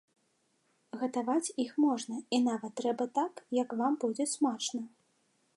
Гатаваць іх можна і нават трэба так, як вам будзе смачна.